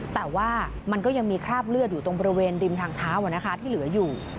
แต่ว่ามันก็ยังมีคราบเลือดอยู่ตรงบริเวณริมทางเท้าที่เหลืออยู่